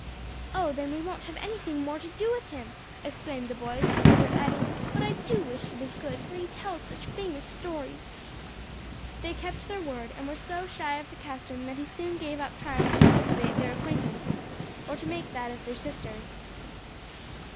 "Oh, then we won't have anything more to do with him!" exclaimed the boys, Herbert adding, "but I do wish he was good, for he does tell such famous stories." They kept their word and were so shy of the captain that he soon gave up trying to cultivate their acquaintance, or to make that of their sisters.